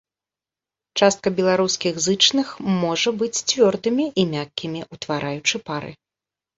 Частка беларускіх зычных можа быць цвёрдымі і мяккімі, утвараючы пары.